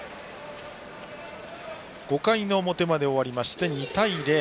５回の表まで終わりまして２対０。